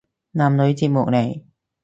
男女節目嚟